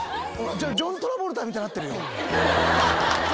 ジョン・トラボルタみたいになってるよ。